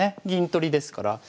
銀取りですから。